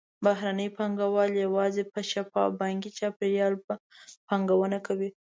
بهرني پانګهوال یوازې په شفاف بانکي چاپېریال کې پانګونه کوي.